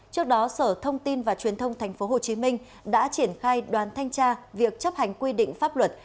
trước đó sở thông tin và truyền thông tp hcm đã triển khai đoàn thanh tra việc chấp hành quy định pháp luật